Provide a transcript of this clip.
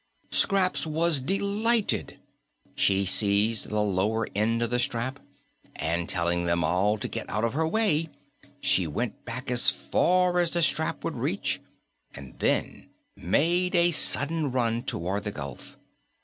Scraps was delighted. She seized the lower end of the strap, and telling them all to get out of her way, she went back as far as the strap would reach and then made a sudden run toward the gulf.